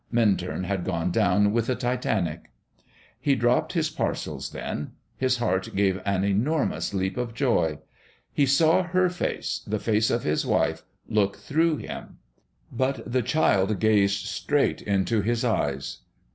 Minturn had gone down with the Titanic. He dropped his parcels then. His heart gave an enormous leap of joy. He saw her face the face of his wife look through him. But the child gazed straight into his eyes.